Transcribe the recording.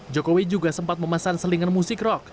jokowi juga sempat memesan selingan musik rock